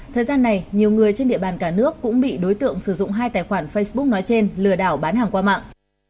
thời gian này nhiều người trên địa bàn cả nước cũng bị đối tượng sử dụng hai tài khoản facebook nói trên lừa đảo bán hàng qua mạng